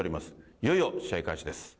いよいよ試合開始です。